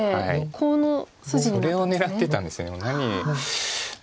これを狙ってたんです。